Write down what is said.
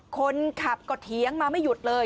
คนขับก็เถียงมาไม่หยุดเลย